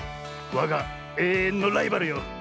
わがえいえんのライバルよ。